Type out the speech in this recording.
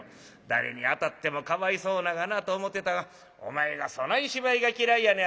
誰に当たってもかわいそうながなと思ってたがお前がそない芝居が嫌いやね